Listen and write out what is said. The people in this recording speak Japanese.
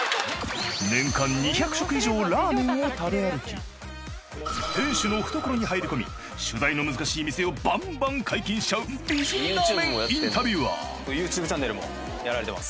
年間２００食以上ラーメンを食べ歩き店主の懐に入り込み取材の難しい店をばんばん解禁しちゃう美人ＹｏｕＴｕｂｅチャンネルもやられてます。